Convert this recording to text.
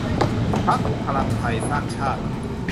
พรรคพลังไทสร้างชาติ